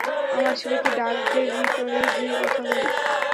আমার ছেলেকে ডাক দে ভিতরে গিয়ে কথা বলি?